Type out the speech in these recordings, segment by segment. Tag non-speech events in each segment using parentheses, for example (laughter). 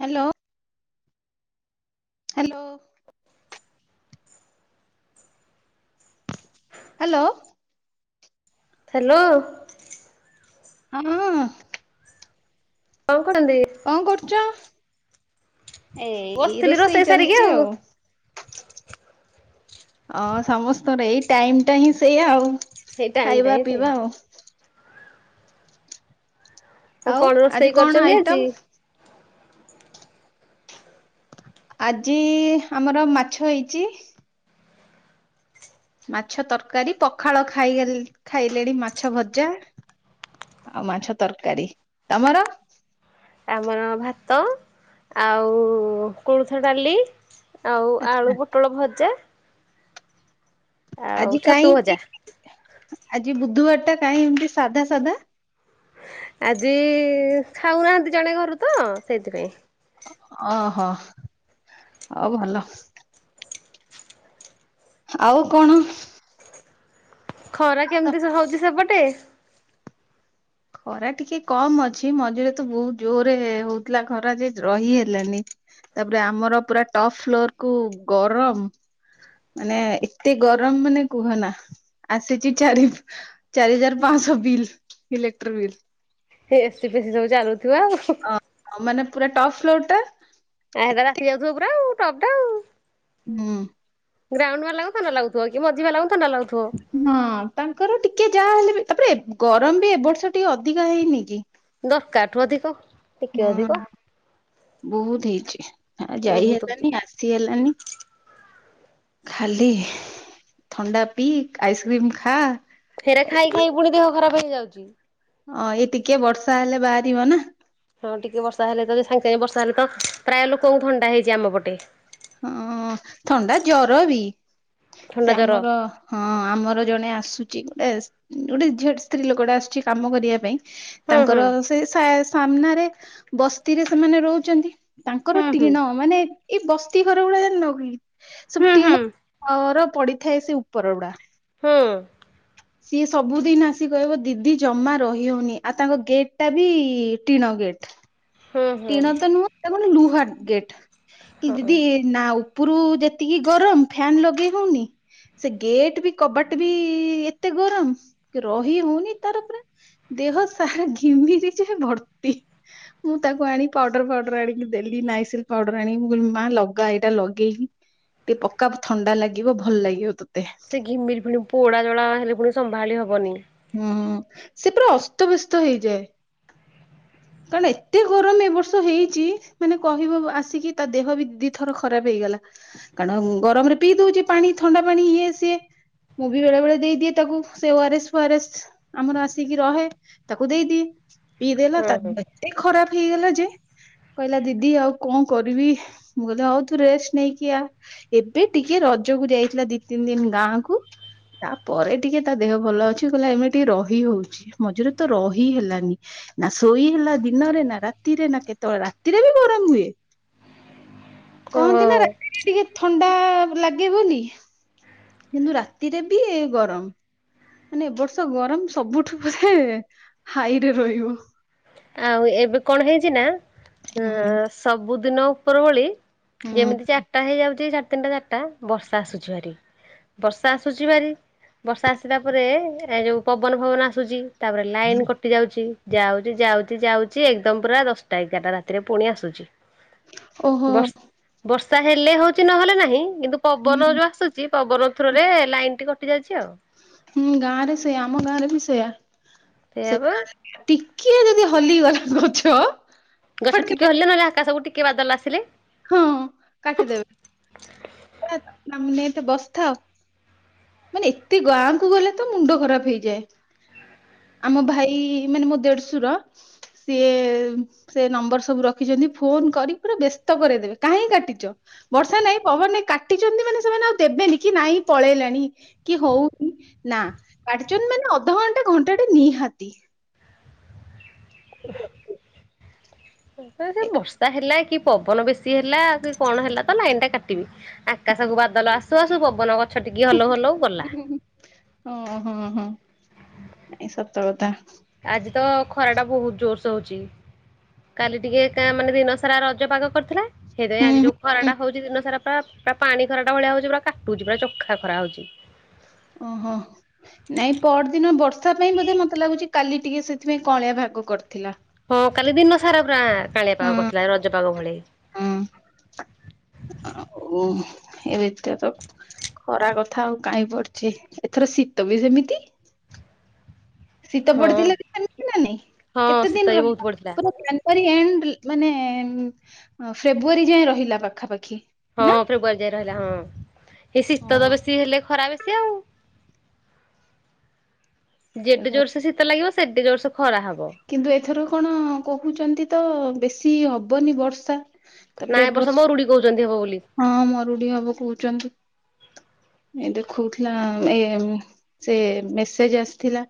Hello? Hello? (inaudible) Hello? Hello? ହଁ ହଁ ହଁ। କଣ କରନ୍ତି? କଣ କରୁଚ? ଏଇ ବସିଥିଲି ରୋଷେଇ ସାରିକି ଆଉ। ହଁ ସମସ୍ତଙ୍କର ଏଇ ଟାଇମ ଟା ହିଁ ସେଇଆ ଆଉ ସେଇ ଟାଇମ ଖାଇବା ଟାଇମ ସେ ପିଇବା ଆଉ। ଆଉ କଣ ଆଜି ରୋଷେଇ କଣ କରିଚନ୍ତି ଆଇଟମ? ଆଜି? ଆଜି ଆମର ମାଛ ହେଇଚି। ମାଛ ତରକାରୀ ପଖାଳ ଖାଇ ହେ ଖାଇଲେଣି ମାଛ ଭଜା। ଆଉ ମାଛ ତରକାରୀ ତମର? ଆମର ଭାତ ଆଉ କୋଳୁଥ ଡାଲି ଆଉ ଆଳୁ ଆଚ୍ଛା। ପୋଟଳ ଭଜା। ଆଉ ଆଜି ଛତୁ ଭଜା କାଇଁକି ଆଜି ବୁଧବାର ଟା କାଇଁ ଏମତି ସାଧା ସାଧା। ଆଜି ଖାଉନାହାନ୍ତି ଜଣେ ଘରୁ ତ ସେଇଥିପାଇଁ। ଓହୋ ହଉ ଭଲ। ଆଉ କଣ? ଖରା କେମିତି ହଉଛି ସେପଟେ? ଖରା ଟିକେ କମ ଅଛି ମଝିରେ ତ ବହୁତ ଜୋର ହଉଥିଲା ଖରା ଯେ ରହି ହେଲାନି। ତାପରେ ଆମର ପୁରା ଟପ ଫ୍ଲୋର କୁ ଗରମ ମାନେ ଏତେ ଗରମ ମାନେ କୁହନା ଆସିଚି ଚାରି ଚାରି ହଜାର ପାଆଁଶ ବିଲ ଇଲେକ୍ଟ୍ରୀ ବିଲ୍। ସେ ଏସି ପେଶି ସବୁ ଚାଲୁଥିବ ଆଉ ହୁ ହଁ ମାନେ ପୁରା ଟପ୍ ଫ୍ଲୋର ଟା। ଆ ରାତି ଯାଉଥିବ ପୁରା ଆଉ ଟପ୍ ଟା ଆଉ। ହୁଁ। ଗ୍ରାଉଣ୍ଡ ବାଲାଙ୍କୁ ଥଣ୍ଡା ଲାଗୁଥିବ କି ମଝି ବାଲାଙ୍କୁ ଥଣ୍ଡା ଲାଗୁଥିବ। ହଁ ତାଙ୍କର ଟିକେ ଯାହା ହେଲେ ବି ତାପରେ ଗରମ ବି ଏବ ବର୍ଷ ଟିକେ ଅଧିକା ହେଇନି କି? ଦରକାରଠୁ ଅଧିକ। ଟିକେ ହଁ ଅଧିକ ବହୁତ ହେଇଛି ଆଉ ଓହୋ ଯାଇ ତୋତେ ହେଲାନି ଆସି ହେଲାନି। ଖାଲି ଥଣ୍ଡା ପିଇ ଆଇସ୍କ୍ରିମ ଖା। ଫେରେ ଖାଇ ଏଗୁଡା ଖାଇ ପୁଣି ଦେହ ଖରାପ ହେଇଯାଉଚି। ଅ ଏ ଟିକେ ବର୍ଷା ହେଲେ ବାହାରିବ ନା। ହଁ ଟିକେ ବର୍ଷା ହେଲେ ତ ସାଙ୍ଗେ ସାଙ୍ଗେ ବର୍ଷା ହେଲେ ତ ପ୍ରାୟ ଲୋକଙ୍କୁ ଥଣ୍ଡା ହେଇଚି ଆମ ପଟେ। ହଁ ଥଣ୍ଡା ଜର ବି ଥଣ୍ଡା ସେ ଜର ଆମର ହଁ ଆମର ଜଣେ ଆସୁଛି ଗୋଟେ ଗୋଟେ ଝିଅ ସ୍ତ୍ରୀ ଲୋକଟେ ଆସୁଛି କାମ କରିଆ ପାଇଁ। ହୁଁ ହୁଁ ତାଙ୍କର ସେ ସା ସାମ୍ନାରେ ବସ୍ତିରେ ସେମାନେ ରହୁଛନ୍ତି। ତାଙ୍କର ହୁଁ ହୁଁ ଟିଣ ମାନେ ଏଇ ବସ୍ତି ଘର ଗୁଡା ଜାଣିନ କି। ସବୁ ହୁଁ ଟିଣ ହୁଁ ର ପଡିଥାଏ ସେ ଉପର ଗୁଡା। ହଁ। ସିଏ ସବୁଦିନ ଆସି କହିବ ଦିଦି ଜମା ରହିହଉନି ଆଉ ତାଙ୍କ ଗେଟ୍ ଟା ବି ଟିଣ ଗେଟ୍। ହୁଁ ଟିଣ ହୁଁ ତ ନୁହଁ ଏଟା କଣ ଲୁହା ଗେଟ୍ ହଁ। ଦିଦି ନା ଉପରୁ ଯେତିକି ଗରମ ଫ୍ୟାନ ଲଗେଇ ହଉନି। ସେ ଗେଟ ବି କବାଟ ବି ଏତେ ଗରମ କି ରହି ହଉନି ତାର ପୁରା ଦେହ ସାରା ଘିମିରି ଯେ ଭର୍ତ୍ତି। ମୁଁ ତାକୁ ଆଣି ପାଉଡର ଫାଉଡର ଆଣିକି ଦେଲି ନାଇସିଲ ପାଉଡର ଆଣିକି କିହିଲୀ ମୋ ମା ଲଗା ଏଇଟା ଲଗେଇକି ଟିକେ ପକ୍କା ଥଣ୍ଡା ଲାଗିବ ଭଲ ଲାଗିବ ତତେ। ସେ ଘିମିରି ଫୁଣି ପୋଡା ଜଳା ହେଲେ ପୁଣି ସମ୍ଭାଳି ହବନି। ହୁଁ ସେ ପୁରା ଅସ୍ତବ୍ୟସ୍ତ ହେଇଯାଏ। କାରଣ ଏତେ ଗରମ ଏ ବର୍ଷ ହେଇଛି ମାନେ କହିବ ଆସିକି ତା ଦେହ ବି ଦିଥର ଖରାପ ହେଇଗଲା। କାରଣ ଗରମ ରେ ପିଇ ଦଉଛି ପାଣି ଥଣ୍ଡା ପାଣି ଇଏ ସିଏ ମୁଁ ବି ବେଳେ ବେଳେ ଦେଇଦିଏ ତାକୁ ସେ O R S. O R S ଆମର ଆସିକି ରହେ ତାକୁ ଦେଇଦିଏ। ପିଇଦେଲା ହଁ ହଁ ତାର ଦିହ ଏ ଖରାପ ହେଇଗଲା ଯେ କହିଲା ଦିଦି ଆଉ କଣ କରିବି। ମୁଁ କହିଲି ହଉ ତୁ ରେଷ୍ଟ ନେଇକି ଆ। ଏବେ ଟିକେ ରଜକୁ ଯାଇଥିଲା ଦି ତିନି ଦିନ ଗାଁ କୁ। ତାପରେ ଟିକେ ତା ଦେହ ଭଲ ଅଛି। ଗଲା ଏମ ଟିକେ ରହି ହଉଛି ମଝିରେ ତ ରହି ହେଲାନି। ନା ଶୋଇ ହେଲା ଦିନରେ ନା ରାତିରେ ନା କେତେବେଳେ ରାତିରେ ବି ଗରମ ହୁଏ। ହଁ। କହନ୍ତି ନା ରାତିରେ ଟିକେ ଥଣ୍ଡା ଲାଗେ ବୋଲି। କିନ୍ତୁ ରାତିରେ ବି ଗରମ। ମାନେ ଏ ବର୍ଷ ଗରମ ସବୁଠୁ ବୋଧେ ହାଇରେ ରହିବ। ଆଉ ଏବେ କଣ ହେଇଛି ନା ହୁଁ ସବୁଦିନ ଉପର ଓଳି ହୁଁ। ଯେମିତି ଚାରିଟା ହେଇଯାଉଛି ସାଢେ ତିନିଟା ଚାରିଟା ବର୍ଷା ଆସୁଛି ଭାରି। ବର୍ଷା ଆସୁଛି ଭାରି ବର୍ଷା ଆସିଲା ପରେ ଏ ଯୋଉ ପବନ ଫବନ ଆସୁଛି। ତାପରେ ଲାଇନ କଟି ଯାଉଛି। ଯାଉଛି ଯାଉଛି ଯାଉଛି ଏକଦମ ପୁରା ଦଶଟା ଏଗାରଟା ରାତିରେ ପୁଣି ଆସୁଛି। ଓହୋ। ବର୍ଷ ବର୍ଷା ହେଲେ ହଉଛି ନହେଲେ ନାହିଁ କିନ୍ତୁ ପବନ ହୁଁ। ଯୋଉ ଆସୁଛି ଚି ପବନ ଥ୍ରୋରେ ଲାଇନଟି କଟି ଯାଇଛି ଆଉ। ହୁଁ ଗାଁ ରେ ସେଇୟା ଆମ ଗାଁରେ ବି ସେଇୟା। ସେ ସେଇଆବା ଗାଁରେ ଟିକିଏ ଯଦି ହଲିଗଲା ଗଛ ଗଛ ଟିକେ ଫଟକିନା ହଲିଲେ ନହେଲେ ଆକାଶକୁ ଟିକେ ବାଦଲ ଆସିଲେ। ହଁ କାଟିଦେବେ। ଏତେ ବସଥାଅ ମାନେ ଏତେ ଗାଁକୁ ଗଲେ ତ ମୁଣ୍ଡ ଖରାପ ହେଇଯାଏ। ଆମ ଭାଇ ମାନେ ମୋ ଦେଢଶୁର ସିଏ ସେ ନମ୍ବର ସବୁ ରଖିଛନ୍ତି ଫୋନ କରି ପୁରା ବେସ୍ତ ସ୍ତ କରେଇଦେବେ କାହିଁକି କାଟିଚ? ବର୍ଷା ନାଇଁ ପବନ ନାଇଁ କାଟିଛନ୍ତି ମାନେ ସେମାନେ ଆଉ ଦେବେନି କି ନାଇଁ ପଳେଇଲାଣି କି ହଉନି ନା କାଟିଚନି ମାନେ ଅଧଘଣ୍ଟା ଘଣ୍ଟା ଟା ନିହାତି। ସେ ବର୍ଷା ହେଲା କି ପବନ ବେଶୀ ହେଲା କି କଣ ହେଲା ତ ଲାଇନ ଟା କାଟିବି। ଆକାଶକୁ ବାଦଲ ଆସୁ ଆସୁ ପବନ ଗଛ ଟିକେ ହଲଉ ହଲଉ ଗଲା। ଓ ହଁ ହଁ ଏଇ ସତ କଥା। ଆଜି ତ ଖରା ଟା ବହୁତ ଜୋରସେ ହଉଛି। କାଲି ଟିକେ କା ମାନେ ଦିନସାରା ରଜ ପାଗ କରିଥିଲା। ସେଥିପାଇଁ ହୁଁ ଆଜି ଯୋଉ ହୁଁ ହୁଁ ଖରାଟା ହଉଛି ଦିନସାରା ପୁରା ପା ପାଣି ଖରାଟା ଭଳିଆ ହଉଛି ପୁରା କାଟୁଛି ପୁରା ଚୋଖା ଖରା ହଉଛି। ଓହୋ। ନାଇଁ ପଅରଦିନ ବର୍ଷା ପାଇଁ ବୋଧେ ମତେ ଲାଗୁଚି କାଲି ଟିକେ ସେଥିପାଇଁ କଅଁଳିଆ ପାଗ କରିଥିଲା। ହଁ କାଲି ଦିନ ସାରା ପୁରା କାଳିଆ ପାଗ କରିଥିଲା ରଜପାଗ ଭଳି। ହୁଁ ଆଉ ଏ ବିି ତ ଖରା କଥା ଆଉ କାଇହିଁ ପଡୁଚି ଏଥର ଶୀତ ବି ସେମିତି। ଶୀତ ହଁ ପଡିଥିଲା ସେମିତି ନା ନାଇଁ। ହଁ କେତେ ଶୀତ ଦିନ ବି ବହୁତ ରହିଲା। ପଡିଥିଲା ପୁର ଫେବୃୁଆରୀ ଏଣ୍ଡ ମାନେ ଅ ଫେବୃଆରୀ ଯାଏଁ ରହିଲା ପାଖାପାଖି। ହଁ ନା ଫେବୃଆରୀ ଯାଇଁ ରହିଲା ହଁ। ଏଇ ଶୀତ ତ ହଁ, ବେଶୀ ହେଲେ ଖରା ବେଶୀ ଆଉ। ଯେଡେ ତେଣୁ ଜୋର ସେ ଶୀତ ଲାଗିବ ସେଡେ ଜୋରସ ଖରା ହବ। କିନ୍ତୁ ଏଥର କଣ କହୁଚନ୍ତି ତ ବେଶୀ ହବନି ବର୍ଷା। ତାପରେ ନାଇଁ ଏ ବର୍ସ ବର୍ଷ ମରୁଢୀ କହୁଚନ୍ତି ହବ ବୋଲି। ହଁ ମରୁଡି ହବ କହୁଚନ୍ତି। ଏ ଦେଖଉଥିଲା ଏ ସେ ମେସେଜ ଆସିଥିଲା।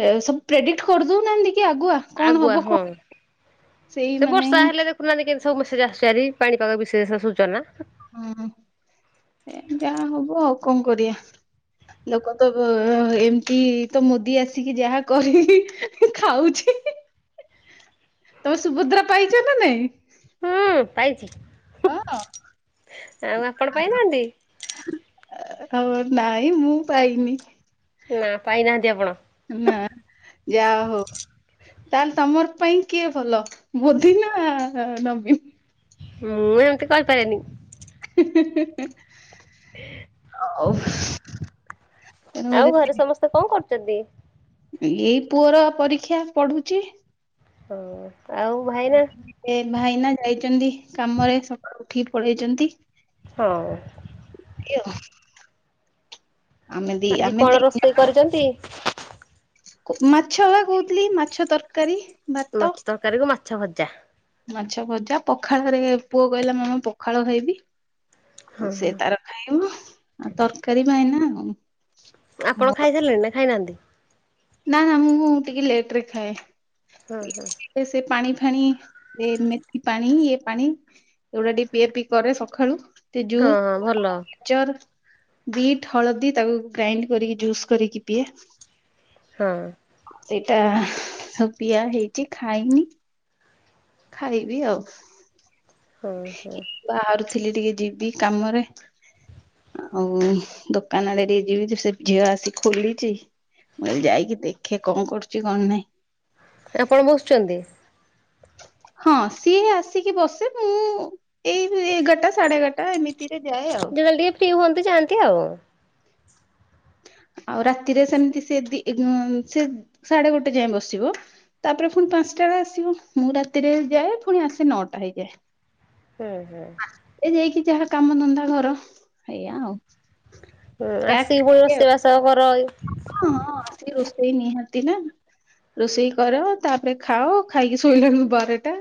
ଏ ସବୁ ପ୍ରେଡିକଟ କରିଦଉନାହାନ୍ତି କି ଆଗୁଆ କଣ ଆଗୁଆ ହବ ହଁ କଣ ସେଇ ମାନେ ହିଁ ପ କେମତି ସବୁ ମେସେଜ ଆରି ପାଣିପାଗ ବିଶେଷ ସୂଚନା ହୁଁ ଯାହା ହବ ଆଉ କଣ କରିବା। ଲୋକ ତ ଏମିତି ତ ମୋଦି ଆସିକି ଯାହା କରିକି ଖାଉଚି। ତମେ ସୁଭଦ୍ରା ପାଇଚ ନା ନାଇଁ? ହୁଁ ପାଇଚି ହଁ ଆଉ ଆପଣ ପାଇନାହାନ୍ତି? ହବ ନାଇଁ ମୁଁ ପାଇନି। ନା ପାଇନାହାନ୍ତି ଆପଣ? ନା ଯା ହଉ। ତାହେଲେ ତମର ପାଇଁ କିଏ ଭଲ ମୋଦି ନା ନବୀନ? ମୁଁ ଏମତି କହିପାରେନି। ହଉ। ଆଉ ଘରେ ସମସ୍ତେ କଣ କରୁଚନ୍ତି? ଏଇ ପୁଅର ପରୀକ୍ଷା ପଢୁଛି। ହ ଆଉ ଭାଇନା ଏ ଭାଇନା ଯାଇଚନ୍ତି କାମରେ ସକାଳୁ ଉଠିକି ପଳେଇଛନ୍ତି। ହଁ। ଏମିତି ଆଉ। ଆମେ ଦି ଆଜି ଆମେ କଣ ଦି ରୋଷେଇ କରିଚନ୍ତି? ମାଛ ବା କହୁଥିଲି ମାଛ ତରକାରୀ। ଭାତ ମାଛ ତରକାରୀକୁୁ ମାଛ ଭଜା। ମାଛ ଭଜା ପଖାଳରେ ପୁଅ କହିଲା ମା ମୁଁ ପଖାଳ ଖାଇବି ହଁ ଆଉ ସେ ତାର ଖାଇବୁ ଆଉ ତରକାରୀ ଭାଇନା ଆଉ। ଆପଣ ମୋର ଖାଇସାରିଲେଣି ନା ଖାଇନାହାନ୍ତି? ନା ନା ମୁଁ ଟିକେ ଲେଟ ରେ ଖାଏ। ହଁ ହଁ। ସେ ପାଣି ଫାଣି ଏ ମେଥି ପାଣି ଇଏ ପାଣି ଏଗଟା ଟିକେ ପିଆ ପି କରେ ସକାଳୁ ହଁ ହଁ ଭଲ ଜୁସ୍ ଜର ବିଟ୍ ହଳଦୀ ତାକୁ ଗ୍ରାଇଣ୍ଡ କରିକି ଜୁସ୍ କରିକି ପିଏ। ହଁ। ସେଇଟା ସବୁ ପିଆ ହେଇଚି ଖାଇନି। ଖାଇବି ଆଉ। ହଁ ହଁ ଏଇ ବାହାରୁଥିଲି ଟିକେ ଯିବି କାମରେ। ଆଉ ଦୋକାନ ଆଡେ ଟିକେ ଯିବି ସେ ଝିଅ ଆସି ଖୋଲିଚି। ମୁଁ ଯାଇକି ଦେଖେ କଣ କରୁଚି କଣ ନାଇଁ। ଆପଣ ବସୁଚନ୍ତି? ହଁ ସିଏ ଆସିକି ବସେ ମୁଁ ଏଇ ଏଗାରଟା ସାଢେ ଏଗାରଟା ଏମିତି ଯେତେବେଳେ ଟିକେ ଫ୍ରି ହୁଅନ୍ତି ଯାଆନ୍ତି ଆଉ। ଆଉ ରାତିରେ ସେମତି ସେ ସେ ସାଢେ ଗୋଟେ ଯାଏ ବସିବ। ତାପରେ ପୁଣି ପାଞ୍ଚଟା ବେଳେ ଆସିବ ମୁଁ ରାତିରେ ଯାଏ ପୁଣି ଆସେ ନଅଟା ହେଇଯାଏ। ହୁଁ ହୁଁ। ଏ ଯାଇକି ଯାହା କାମ ଧନ୍ଦା ଘର ଏଇଆ ଆଉ ହୁଁ ପ୍ୟାକ୍ ଆସିକି ପୁଣି ରୋଷେଇ ବାସ କର। ହଁ ହଁ ଆସିକି ରୋଷେଇ ନିହାତି ନା। ରୋଷେଇ କର ତାପରେ ଖାଅ ଖାଇକି ଶୋଇଲାଣି ବାରଟା।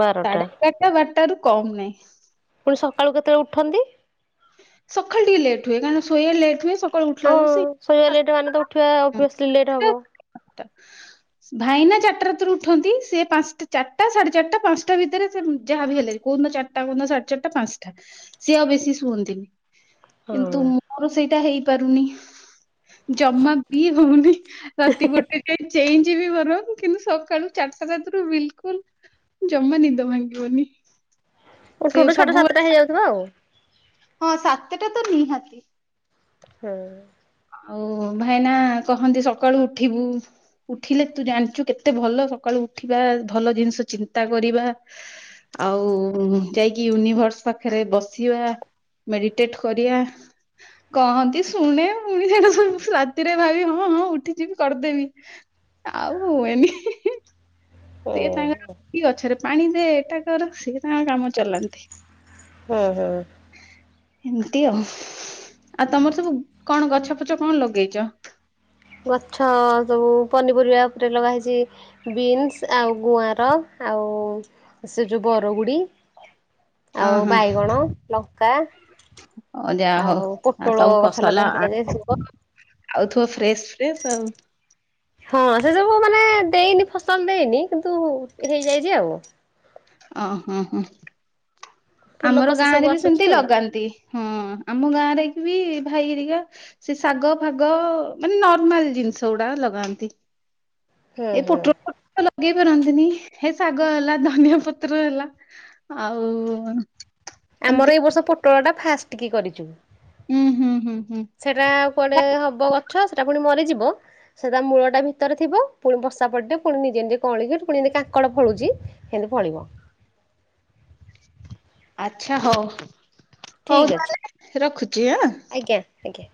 ବାରଟା। ଏଗାରଟା ବାରଟାରୁ କମ ନାଇଁ। ପୁଣି ସକାଳୁ କେତେବେଳେ ଉଠନ୍ତି? ସଖାଳେ ଟିକେ ଲେଟ ହୁଏ କାରଣ ଶୋଇବା ଲେଟ୍ ହୁଏ। ସକାଳୁ ଉଠିଲା ହଁ ବେଳକୁ ସେଇ ଶୋଇବା ସାତଟା। ଲେଟ୍ ମାନେ ତ ଉଠିବା ଓବିଓସ୍ଲି ଲେଟ୍ ହବ। (inaudible) ଭାଇନା ଚାରଟା ରାତିରୁ ଉଠନ୍ତି ସେ ପାଞ୍ଚଟା ଚାରଟା ସାଢେ ଚାରଟା ପାଞ୍ଚଟା ଭିତରେ ଯାହାବି ହେଲେ। କୋଉ ଦିନ ଚାରଟା କୋଉଦିନ ସାଢେ ଚାରଟା ପାଞ୍ଚଟା ସିଏ ଆଉ ବେଶୀ ସୁଅନ୍ତିନି ହଁ କିନ୍ତୁ ମୋର ସେଇଟା ହେଇପାରୁନି। ଜମା ବି ହଉନି ରାତି ଗୋଟେ ଯାଏ ଚେଇଁଯିବି ବରଂ। କିନ୍ତୁ ସକାଳୁ ଚାରଟା ରାତିରୁ ବିଲକୁଲ ଜମା ନିଦ ଭାଙ୍ଗିବନି। ସେ ଉଠୁଉଠୁ ଛଅଟା ସବୁବେଳେ ସାତଟା ହେଇଯାଉଥିବ ଆଉ ହଁ ସାତଟା ତ ନିହାତି। ହୁଁ। ଆଉ ଭାଇନା କହନ୍ତି ସକାଳୁ ଉଠିବୁ? ଉଠିଲେ ତୁ ଜାଣିଛୁ କେତେ ଭଲ ସକାଳୁ ଉଠିବା ଭଲ ଜିନିଷ ଚିନ୍ତା କରିବା। ଆଉ ଯାଇକି ୟୁନିଭର୍ସ ପାଖରେ ବସିବା। ମେଡିଟେଟ କରିବା କହନ୍ତି ଶୁଣେ। ପୁଣି ସେଟା ରାତିରେ ଭାବି ହଁ ହଁ ଉଠିଯିବି କରିଦେବି। ଆଉ ହୁଏନି। ସିଏ ତାଙ୍କର ଓହୋ ଉଠିକି ଗଛରେ ପାଣି ଦେ ଏଟା କର ସିଏ ତାଙ୍କ କାମ ଚଲାନ୍ତି। ହଁ। ଏମିତି ଆଉ ଆଉ ତମର ସବୁ କଣ ଗଛ ଫଛ କଣ ଲଗେଇଛ? ଗଛ ସବୁ ପନିପରିବା ଉପରେ ଲଗାହେଇଛି ବିନ୍ସ ଆଉ ଗୁଆଁର। ଆଉ ସେ ଯୋଉ ବରଗୁଡ଼ି। ଆଉ ବାଇଗଣ ଲଙ୍କା। ହ ଯାହା ହଉ ଆଉ ଆ ପୋଟଳ ସବୁ ଗଛ ଲଗା ଫସଲ ହେଇଥିଲା ଯେ ଆଉଥିବ। ଆଉଥିବ ଫ୍ରେଶ ଫ୍ରେଶ ଆଉ ହଁ ସେ ସବୁ ମାନେ ଦେଇନି ଫସଲ ଦେଇନି କିନ୍ତୁ ହେଇଯାଇଛି ଆଉ ଅହ ହୋ ଫୁଲ ଆମର କଷି ସବୁ ଗାଁରେ ବି ଆସୁଛି ସେମିତି ଆଉ ଲଗାନ୍ତି। ହଁ ଆମ ଗାଁରେ ବି ଭାଇ ହେରିକା ସେ ଶାଗ ଫାଗ ମାନେ ନର୍ମାଲ ଜିନିଷ ଗୁଡା ଲଗାନ୍ତି। ହୁଁ ଏ ହୁଁ। ପୋଟଳ ଫୋଟଳ ହେଲା ତ ଲଗେଇ ପାରନ୍ତିନି ଏ ଶାଗ ହେଲା ଧନିଆ ପତ୍ର ହେଲା ଆଉ ଆମର ଏମିତି ଏଇ ବର୍ଷ ପୋଟଳଟା ଫାଷ୍ଟ କି କରିଛୁ। ହୁଁ ହୁଁ ହୁଁ ହୁଁ। ସେଇଟା କୁଆଡେ ହବ ଗଛ ସେଟା ପୁଣି ମରିଯିବ। ସେ ତା ମୂଳଟା ଭିତରେ ଥିବ ପୁଣି ବର୍ଷା ପଡିିବ ପୁଣି ନିଜେ ନିଜେ କଅଁଳିକି ଫୁଣି ଯେମିତି କାଙ୍କଡ଼ ଫଳୁଛି ହେଲେ ଫଳିବ। ଆଛା ହଉ ହଉ ଠିକ୍ ଅଛି ତାହାଲେ ରଖୁଛି ଆଁ। ଆଜ୍ଞା ଆଜ୍ଞା।